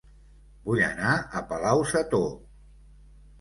Vull anar a Palau-sator